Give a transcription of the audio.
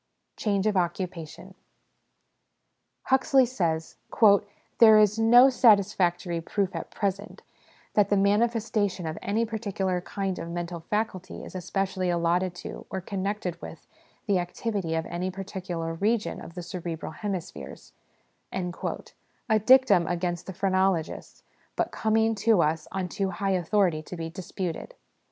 Change of Occupation. " There is," says Huxley, " no satisfactory proof at present, that the manifes 24 HOME EDUCATION tation of any particular kind of mental faculty is especially allotted to, or connected with, the activity of any particular region of the cerebral hemispheres," a dictum against the phrenologists, but coming to us on too high authority to be disputed.